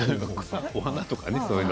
お花とかね。